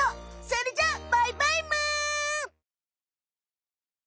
それじゃあバイバイむ！